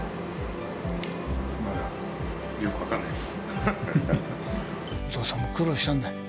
まだよくわかんないです。